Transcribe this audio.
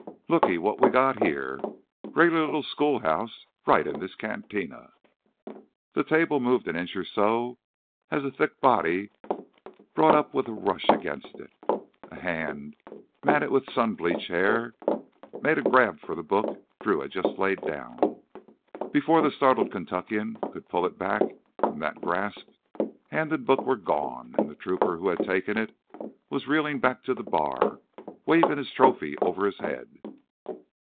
"Looky what we've got us here! Regular li'l schoolhouse right in this cantina!" The table moved an inch or so as a thick body brought up with a rush against it. A hand, matted with sun bleached hair, made a grab for the book Drew had just laid down. Before the startled Kentuckian could pull it back from that grasp, hand and book were gone, and the trooper who had taken it was reeling back to the bar, waving the trophy over his head.